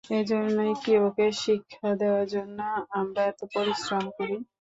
এজন্যই কি ওকে শিক্ষা দেয়ার জন্য আমরা এত পরিশ্রম করি?